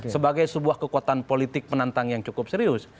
sebagai sebuah kekuatan politik penantang yang cukup serius